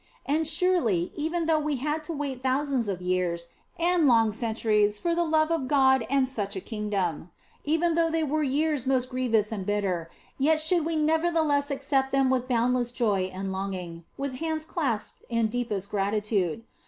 And surely, even though we had to wait thousands of years and long centuries for the love of God and such a kingdom, even though they were years most grievous and bitter, yet should we nevertheless accept them with boundless joy and longing, with hands clasped in deepest gratitude